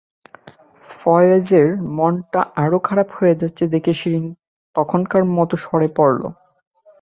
ফয়েজের মনটা আরও খারাপ হয়ে যাচ্ছে দেখে শিরিন তখনকার মতো সরে পড়ল।